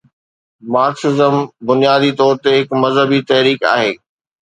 Marxism بنيادي طور هڪ مذهبي تحريڪ آهي.